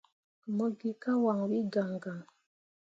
Mo gi ka wanwi gaŋgaŋ.